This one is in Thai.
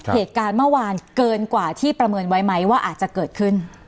เหตุการณ์เมื่อวานเกินกว่าที่ประเมินไว้ไหมว่าอาจจะเกิดขึ้น